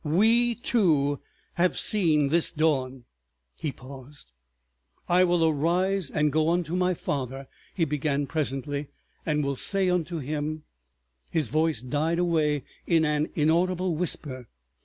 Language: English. We two have seen this dawn! ..." He paused. "I will arise and go unto my Father," he began presently, "and will say unto Him———" His voice died away in an inaudible whisper.